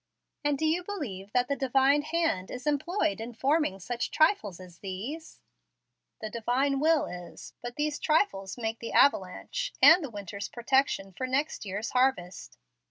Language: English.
"And do you believe that the Divine hand is employed in forming such trifles as these?" "The Divine will is. But these trifles make the avalanche and the winter's protection for next year's harvest."